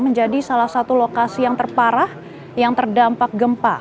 menjadi salah satu lokasi yang terparah yang terdampak gempa